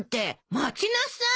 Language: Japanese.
待ちなさい。